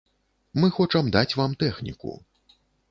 Мы хочам даць вам тэхніку!